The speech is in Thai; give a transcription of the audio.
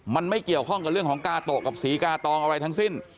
มันไม่เกี่ยวข้องกับเรื่องของกาโตะกับศรีกาตองอะไรทั้งสิ้น